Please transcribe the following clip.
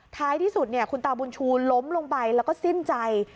ท้ายที่สุดคุณตาบุญชูล้มลงไปแล้วก็สิ้นใจ